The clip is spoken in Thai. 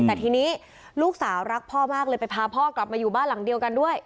แต่ทีนี้ลูกสาวรักพ่อมากเลยไปพาพ่อกลับมาอยู่บ้านหลังเดียวกันด้วย